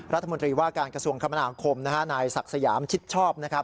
รัฐมนตรีว่าการกระทรวงคมนาคมนายศักดิ์สยามชิดชอบ